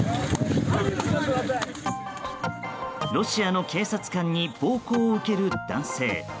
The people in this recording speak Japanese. ロシアの警察官に暴行を受ける男性。